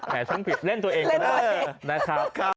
แผนชั้นผิดเล่นตัวเองนะ